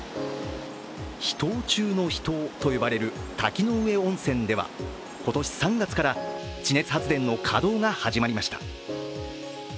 秘湯中の秘湯と呼ばれる滝ノ上温泉では今年３月から地熱発電の稼働が始まりました。